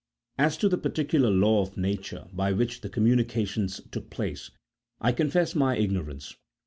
As to the particular law of Nature by which the communications took place, I confess my ignorance.